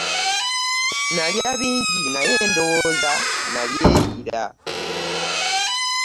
Nalya bingi naye ndowooza nabyeriira.